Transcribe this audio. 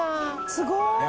すごい！